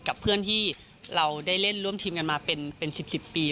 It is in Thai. กับเพื่อนที่เราได้เล่นร่วมทีมกันมาเป็น๑๐ปี